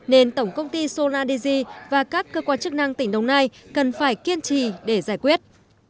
nên tổng công ty sonadizy và các cơ quan chức năng tỉnh đồng nai cần phải kiên trì để giải quyết